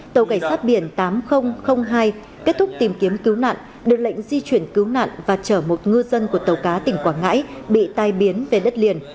tàu cảnh sát biển tám nghìn hai kết thúc tìm kiếm cứu nạn được lệnh di chuyển cứu nạn và chở một ngư dân của tàu cá tỉnh quảng ngãi bị tai biến về đất liền